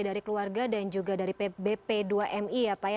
dari keluarga dan juga dari bp dua mi ya pak ya